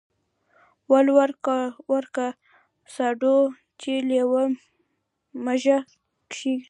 ول ورکه ساډو چې لېوه مږه کش کي.